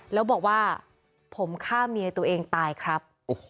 แล้วบอกว่าผมฆ่าเมียตัวเองตายครับ